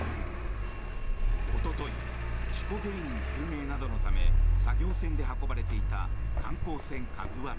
おととい事故原因究明などのため作業船で運ばれていた観光船「ＫＡＺＵ１」。